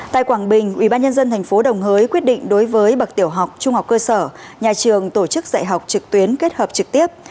tại quảng bình ubnd tp đồng hới quyết định đối với bậc tiểu học trung học cơ sở nhà trường tổ chức dạy học trực tuyến kết hợp trực tiếp